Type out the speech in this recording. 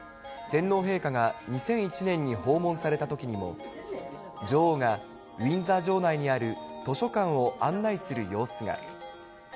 天皇陛下が２００１年に訪問されたときにも、女王がウィンザー城内にある図書館を案内する様子が。